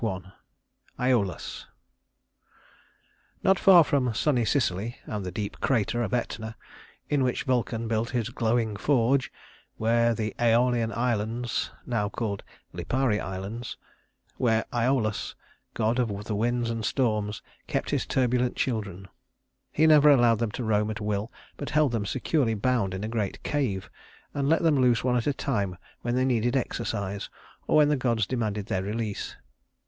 Æolus Not far from sunny Sicily and the deep crater of Etna, in which Vulcan built his glowing forge, were the Æolian Islands now called Lipari Islands where Æolus, god of the winds and storms, kept his turbulent children. He never allowed them to roam at will, but held them securely bound in a great cave, and let them loose one at a time when they needed exercise or when the gods demanded their release.